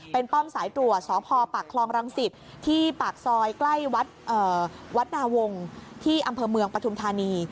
เป็นป้อมสายตรวจสพปากคลองรังสิตที่ปากซอยใกล้วัดนาวงศ์ที่อำเภอเมืองปฐุมธานี